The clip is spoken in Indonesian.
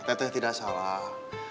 teteh tidak salah